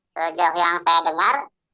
sejak yang saya dengar